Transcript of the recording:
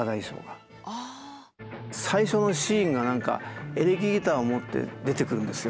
最初のシーンが何かエレキギターを持って出てくるんですよ。